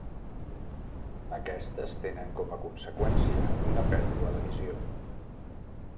Aquestes tenen com a conseqüència una pèrdua de visió.